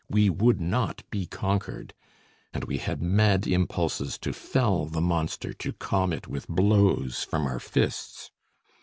We would not be conquered. And we had mad impulses to fell the monster, to calm it with blows from our fists.